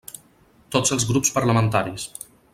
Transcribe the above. Tots els grups parlamentaris.